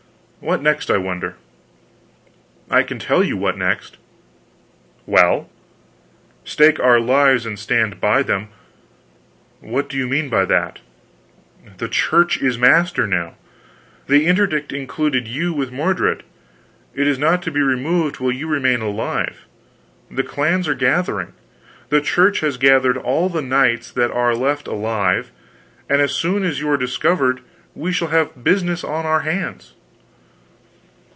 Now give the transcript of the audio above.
What next, I wonder?" "I can tell you what next." "Well?" "Stake our lives and stand by them!" "What do you mean by that?" "The Church is master now. The Interdict included you with Mordred; it is not to be removed while you remain alive. The clans are gathering. The Church has gathered all the knights that are left alive, and as soon as you are discovered we shall have business on our hands."